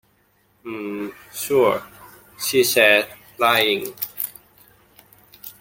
Um... sure, she said, lying.